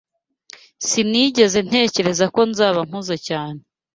Sinigeze ntekereza ko nzaba mpuze cyane.